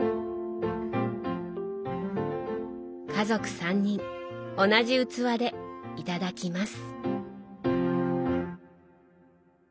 家族３人同じ器でいただきます。